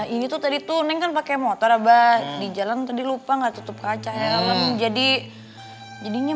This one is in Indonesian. ini tuh tadi tuh neng kan pakai motor abah di jalan tadi lupa nggak tutup kaca ya jadi jadinya